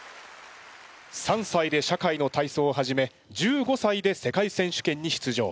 ３歳で社会の体操を始め１５歳で世界選手権に出場。